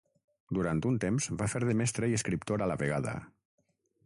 Durant un temps va fer de mestre i escriptor a la vegada.